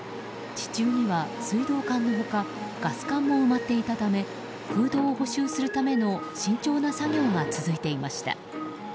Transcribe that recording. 地中には水道管の他ガス管も埋まっていたため空洞を補修するための慎重な作業が続いていました。